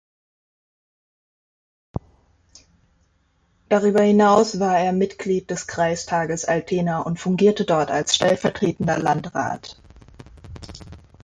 Darüber hinaus war er Mitglied des Kreistages Altena und fungierte dort als stellvertretender Landrat.